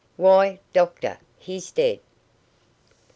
"WHY, DOCTOR, HE'S DEAD!"